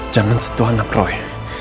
jangan sentuh anak roy